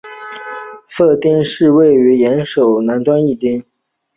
藤泽町是位于岩手县南端的一町。